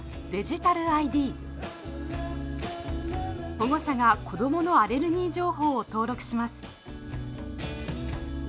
保護者が子どものアレルギー情報を登録します。